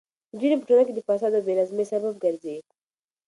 نجونې په ټولنه کې د فساد او بې نظمۍ سبب ګرځي.